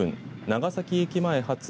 長崎駅前発、